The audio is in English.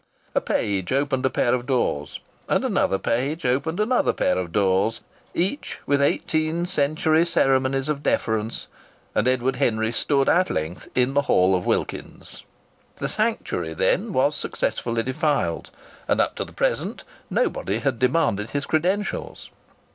A page opened a pair of doors, and another page opened another pair of doors, each with eighteen century ceremonies of deference, and Edward Henry stood at length in the hall of Wilkins's. The sanctuary, then, was successfully defiled, and up to the present nobody had demanded his credentials!